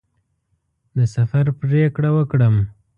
د سفر پرېکړه وکړم.